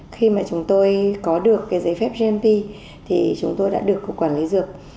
khi mà chúng tôi có được cái giấy phép gmt thì chúng tôi đã được cục quản lý dược